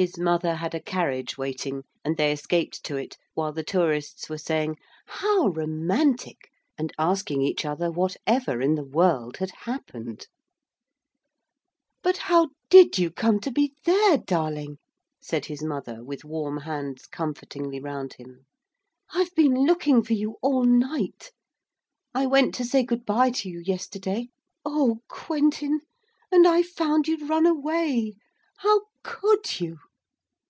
His mother had a carriage waiting, and they escaped to it while the tourists were saying, 'How romantic!' and asking each other whatever in the world had happened. 'But how did you come to be there, darling?' said his mother with warm hands comfortingly round him. 'I've been looking for you all night. I went to say good bye to you yesterday Oh, Quentin and I found you'd run away. How could you?'